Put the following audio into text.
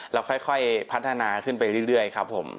แล้วค่อยพัฒนาขึ้นไปเรื่อยครับผม